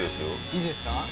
いいですか？